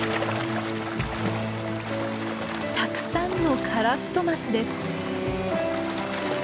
たくさんのカラフトマスです！